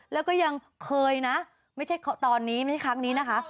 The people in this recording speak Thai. แล้วก็ยังเคยนะไม่ใช่ตอนนี้ไม่ใช่ครั้งนี้นะคะ